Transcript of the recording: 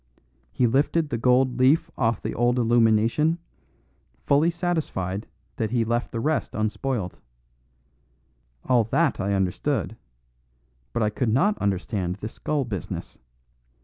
He lifted the gold leaf off an old illumination, fully satisfied that he left the rest unspoilt. All that I understood; but I could not understand this skull business.